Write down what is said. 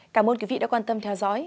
cảm ơn quý vị đã quan tâm theo dõi